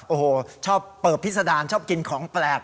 โอ้โหชอบเปิบพิษดารชอบกินของแปลก